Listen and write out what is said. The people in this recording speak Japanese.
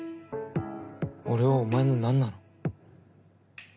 俺はお前のなんなの？